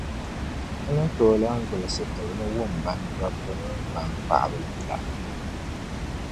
N ni tooi lan gbilisi tibili wum baan dɔbba minii baan’ paɣiba yila?